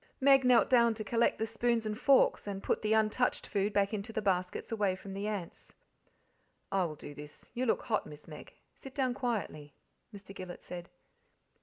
Meg knelt down to collect the spoons and forks: and put the untouched food back into the baskets away from the ants. "I will do this you look hot, Miss Meg; sit down quietly," Mr. Gillet said.